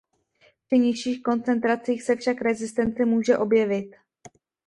Při nižších koncentracích se však rezistence může objevit.